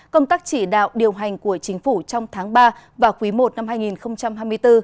công tác chỉ đạo điều hành của chính phủ trong tháng ba và quý i năm hai nghìn hai mươi bốn